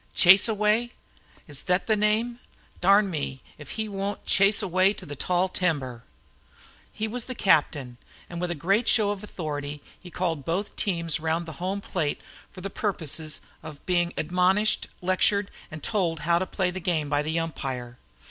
"Chaseaway? Is thet his name? Darn me, if he won't chase away to the tall timber." He was the captain, and with a great show of authority called both teams round the home plate for the purpose of being admonished, lectured, and told how to play the game by the umpire.